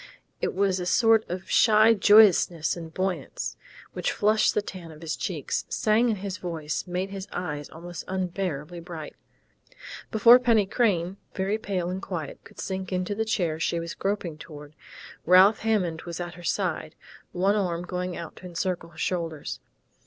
It was a sort of shy joyousness and buoyance, which flushed the tan of his cheeks, sang in his voice, made his eyes almost unbearably bright.... Before Penny Crain, very pale and quiet, could sink into the chair she was groping toward, Ralph Hammond was at her side, one arm going out to encircle her shoulders.